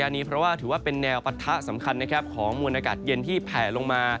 อันนี้เพราะว่าถือว่าเป็นแนวปะทะสำคัญนะครับของมวลอากาศเย็นที่แผ่ลงมา